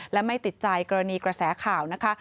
และไม่ติดใจกรณีกระแสข่าวนะคะ